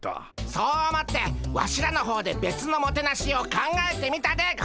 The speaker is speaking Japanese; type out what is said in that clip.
そう思ってワシらの方でべつのもてなしを考えてみたでゴンス。